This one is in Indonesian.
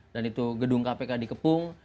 dan itu gedung kpk dikeputar